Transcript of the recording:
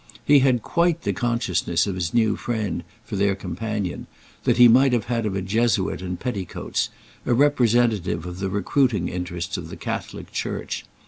He had quite the consciousness of his new friend, for their companion, that he might have had of a Jesuit in petticoats, a representative of the recruiting interests of the Catholic Church.